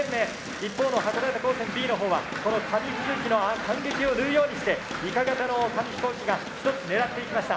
一方の函館高専Ｂのほうはこの紙吹雪の間隙を縫うようにしてイカ型の紙飛行機が一つ狙っていきました。